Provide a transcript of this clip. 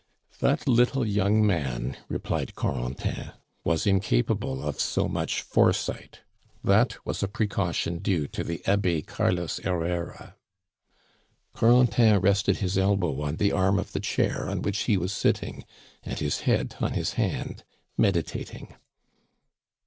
"That little young man," replied Corentin, "was incapable of so much foresight. That was a precaution due to the Abbe Carlos Herrera." Corentin rested his elbow on the arm of the chair on which he was sitting, and his head on his hand, meditating.